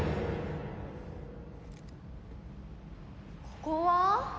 ここは？